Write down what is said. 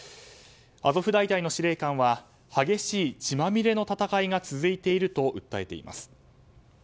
アゾフ大隊の司令官は激しい血まみれの戦いが続いていると訴えています。